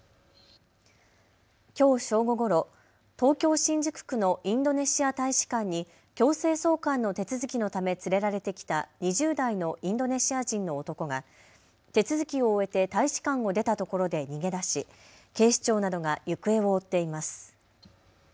きょう正午ごろ、東京新宿区のインドネシア大使館に強制送還の手続きのため連れられてきた２０代のインドネシア人の男が手続きを終えて大使館を出たところで逃げ出し警視庁などが行方を追っています。